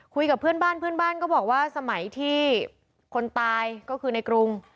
คุยกับเพื่อนบ้านก็บอกว่าสมัยทีคนตายก็คือในกรุง